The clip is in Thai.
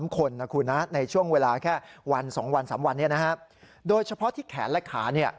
๒๓๓คนน่ะคุณในช่วงเวลาแค่๒๓วันโดยเฉพาะที่แขนและขา